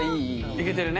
いけてるね？